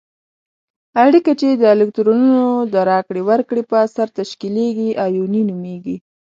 اړیکه چې د الکترونونو د راکړې ورکړې په اثر تشکیلیږي آیوني نومیږي.